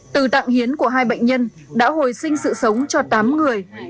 từ tạng hiến của hai bệnh nhân đã hồi sinh sự sống cho tám người